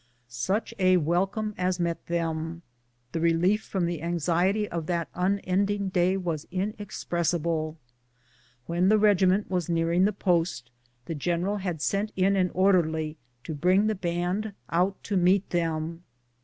Such a welcome as met them ! The relief from the anxiety of that unending day was inexpressible. When the regiment was nearing the post, the general had sent in an orderly to bring the band out to meet them.